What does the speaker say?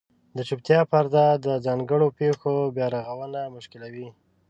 د چوپتیا پرده د ځانګړو پېښو بیارغونه مشکلوي.